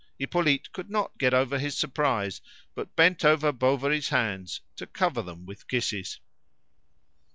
Hippolyte could not get over his surprise, but bent over Bovary's hands to cover them with kisses.